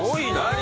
何？